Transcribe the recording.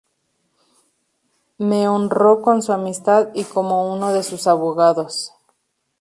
Me honró con su amistad y como uno de sus abogados.